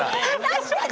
確かに。